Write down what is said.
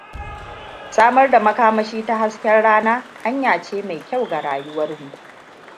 Samar da makamashi ta hasken rana hanya ce mai kyau ga rayuwarmu.